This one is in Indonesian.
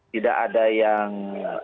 tidak ada yang